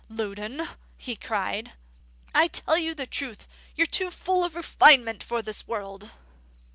Loudon," he cried, "I tell you the truth: you're too full of refinement for this world!"